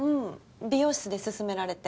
美容室で勧められて。